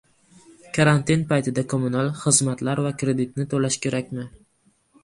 Karantin paytida kommunal xizmatlar va kreditni to‘lash kerakmi?